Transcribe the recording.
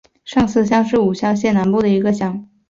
上司乡是武乡县南部的一个乡。